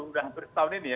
sudah hampir setahun ini ya